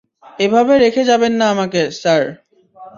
এভাবে রেখে যাবেন না আমাকে, স্যার।